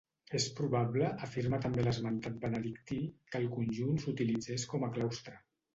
És probable -afirma també l'esmentat benedictí- que el conjunt s'utilitzés com a claustre.